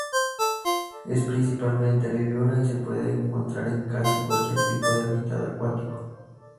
Es principalmente herbívora y se puede encontrar en casi cualquier tipo de hábitat acuático.